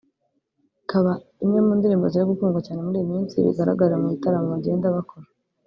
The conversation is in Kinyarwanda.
ikaba imwe mu ndirimbo ziri gukundwa cyane muri iyi minsi bigaragarira mu bitaramo bagenda bakora